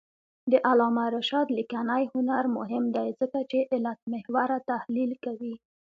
د علامه رشاد لیکنی هنر مهم دی ځکه چې علتمحوره تحلیل کوي.